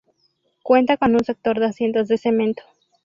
Cuenta con un sector de asientos de cemento.